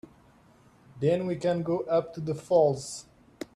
Then we can go up to the falls.